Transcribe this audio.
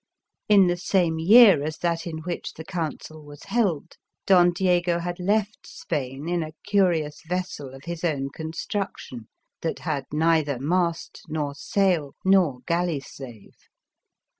In the same year as that in which the council was held, Don Diego had left Spain in a curious vessel of his own construction, that had neither mast nor sail nor gal ley slave.